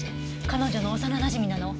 彼女の幼なじみなの。